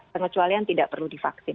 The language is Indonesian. kecualian tidak perlu divaksin